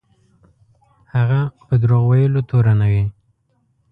هغه په دروغ ویلو تورنوي.